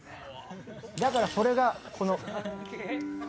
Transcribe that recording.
だから、それがこの。